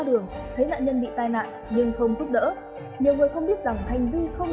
đường thấy nạn nhân bị tai nạn nhưng không giúp đỡ nhiều người không biết rằng hành vi không